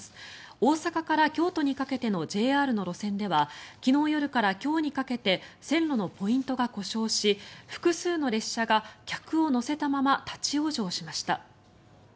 大阪から京都にかけてのＪＲの路線では昨日夜から今日にかけて線路のポイントが故障し複数の列車が客を乗せたまま立ち往生しました。